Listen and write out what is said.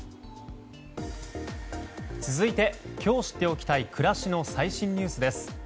続いて今日知っておきたい暮らしの最新ニュースです。